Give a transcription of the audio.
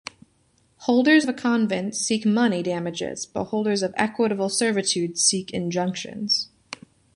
Holders of a "covenant" seek "money" damages, but holders of "equitable servitudes" seek "injunctions".